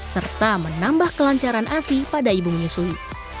serta menambah kelancaran asi pada ibu menyusui